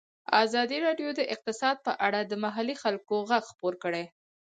ازادي راډیو د اقتصاد په اړه د محلي خلکو غږ خپور کړی.